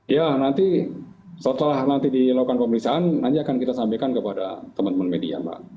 ya nanti setelah nanti dilakukan pemeriksaan nanti akan kita sampaikan kepada teman teman media mbak